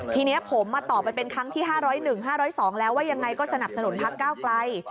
ทีนี้ผมตอบไปเป็นครั้งที่๕๐๑๕๐๒แล้วว่ายังไงก็สนับสนุนพักก้าวไกล